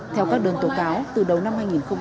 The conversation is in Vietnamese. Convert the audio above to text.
theo các đơn tổ cáo từ đầu năm